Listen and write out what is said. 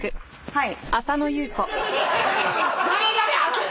はい。